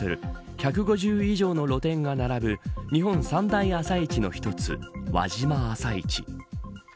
１５０以上の露店が並ぶ日本三大朝市の一つ、輪島朝市。